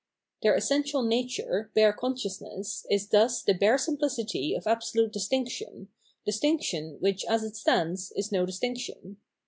Their essential nature, bare consciousness, is thus the bare simplicity of absolute distinction, distinction which as it stands is no distinction.